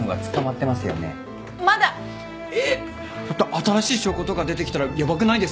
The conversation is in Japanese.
新しい証拠とか出てきたらやばくないですか？